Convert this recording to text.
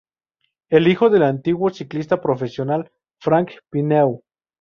Es hijo del antiguo ciclista profesional Franck Pineau.